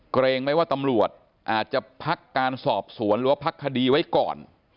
เกรงไหมว่าตำรวจอาจจะพักการสอบสวนหรือว่าพักคดีไว้ก่อน